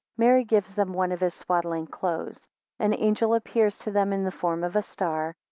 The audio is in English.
Mary gives them one of his swaddling clothes. 3 An angel appears to them in the form of a star.